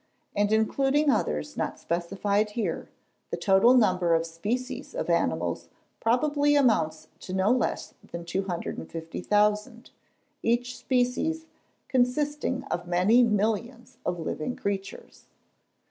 And, including others not specified here, the total number of species of animals probably amounts to no less than 250,000, each species consisting of many millions of living creatures.